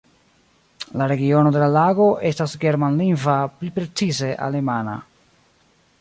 La regiono de la lago estas germanlingva, pli precize alemana.